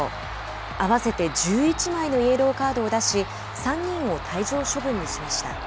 合わせて１１枚のイエローカードを出し３人を退場処分にしました。